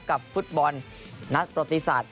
กับฟุตบอลนักประติศาสต